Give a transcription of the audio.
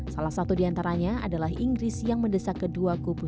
salah satu diantaranya adalah inggris yang mendesak kedua kubu